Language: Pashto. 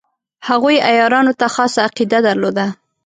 هغوی عیارانو ته خاصه عقیده درلوده.